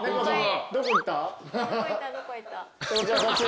どこいった？